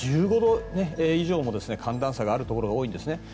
１５度以上も寒暖差があるところが多いんですね。